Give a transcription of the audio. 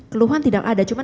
keluhan tidak ada cuma